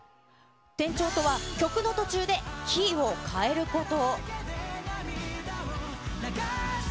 転調とは、曲の途中でキーを変えること。